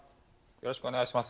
よろしくお願いします。